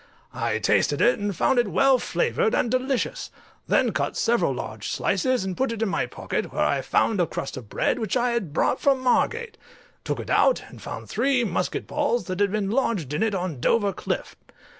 I tasted it, and found it well flavoured and delicious, then cut several large slices and put in my pocket, where I found a crust of bread which I had brought from Margate; took it out, and found three musket balls that had been lodged in it on Dover cliff.